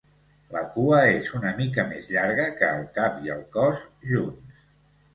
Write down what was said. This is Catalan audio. La cua és una mica més llarga que el cap i el cos junts.